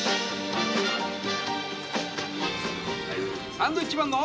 サンドウィッチマンの。